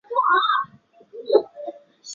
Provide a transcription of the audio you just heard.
工书法。